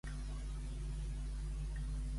Com expressen el punk els artistes?